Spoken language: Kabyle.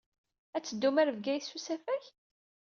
Ad teddum ɣer Bgayet s usafag?